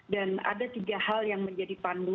dan ada tiga hal yang menjadi penting